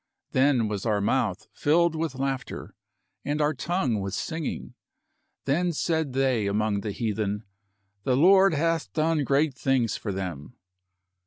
Then was our mouth filled with laughter, and our tongue with singing ; then said they among the heathen, The Lord hath done great things for them.